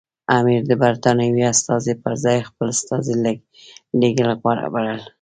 امیر د برټانوي استازي پر ځای خپل استازی لېږل غوره وبلل.